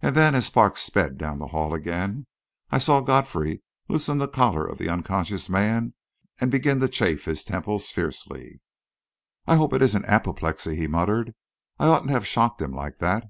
And then, as Parks sped down the hall again, I saw Godfrey loosen the collar of the unconscious man and begin to chafe his temples fiercely. "I hope it isn't apoplexy," he muttered. "I oughtn't to have shocked him like that."